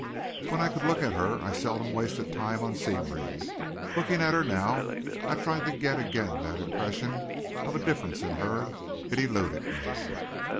But when I could look at her I seldom wasted time on scenery. Looking at her now I tried to get again that impression of a difference in her. It eluded me.